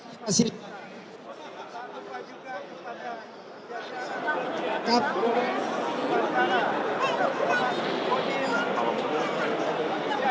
terima kasih kepada bapak awaluddin amali